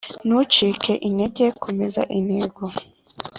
ntucike intege komeza intego